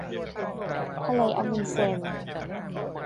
ทะเลอะมุนด์เซน